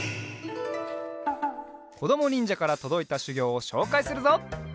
こどもにんじゃからとどいたしゅぎょうをしょうかいするぞ！